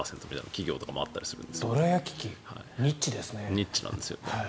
ニッチなんです。